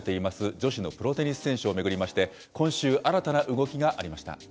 女子のプロテニス選手を巡りまして、今週、新たな動きがありました。